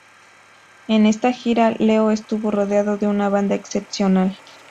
En esta gira, Leo estuvo rodeado de una banda excepcional.